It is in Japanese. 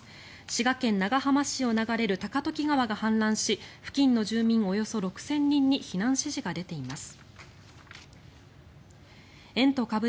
滋賀県長浜市を流れる高時川が氾濫し付近の住民およそ６０００人に避難指示が出ています。